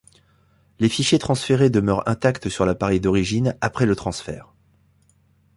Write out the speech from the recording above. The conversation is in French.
Les fichiers transférés demeurent intacts sur l’appareil d’origine après le transfert.